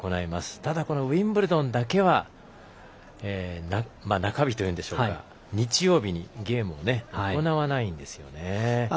ただ、このウィンブルドンだけは中日というんでしょうか日曜日にゲームを行わないんですよね。